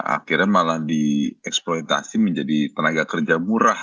akhirnya malah dieksploitasi menjadi tenaga kerja murah